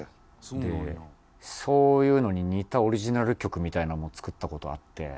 でそういうのに似たオリジナル曲みたいなのも作った事あって。